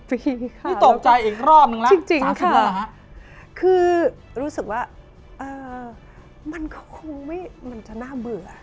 นี่ตกใจอีกรอบนึงแล้วจริงคือรู้สึกว่ามันก็คงไม่มันจะน่าเบื่อ